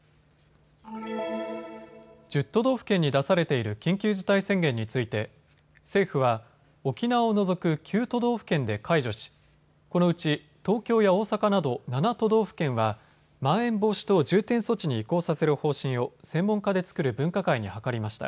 都道府県に出されている緊急事態宣言について政府は沖縄を除く９都道府県で解除しこのうち東京や大阪など７都道府県はまん延防止等重点措置に移行させる方針を専門家で作る分科会に諮りました。